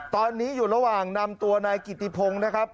ตอนนี้อยู่ระหว่างนำตัวนายกิติพงศ์นะครับ